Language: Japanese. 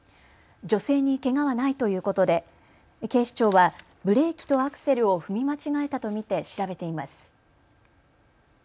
女性にけがはないということで警視庁はブレーキとアクセルを踏み間違えたと見て調べています。